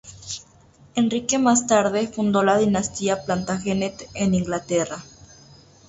Enrique más tarde fundó la dinastía Plantagenet en Inglaterra.